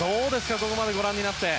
ここまでご覧になって。